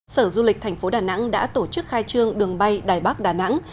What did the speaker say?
sở du lịch thành phố đà nẵng đã tổ chức khai trương đường bay đài bắc đà nẵng